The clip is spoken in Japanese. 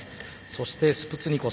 そしてスプツニ子！